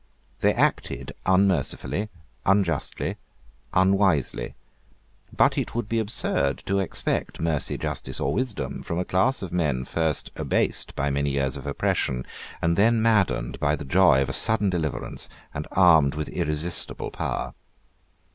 They acted unmercifully, unjustly, unwisely. But it would be absurd to expect mercy, justice, or wisdom from a class of men first abased by many years of oppression, and then maddened by the joy of a sudden deliverance, and armed with irresistible power.